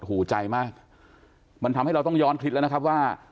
หูใจมากมันทำให้เราต้องย้อนคิดแล้วนะครับว่า